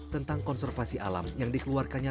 tentang konservasi alam yang dikeluarkannya